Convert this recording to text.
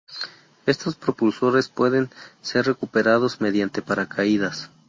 Estos propulsores pueden ser recuperados mediante paracaídas.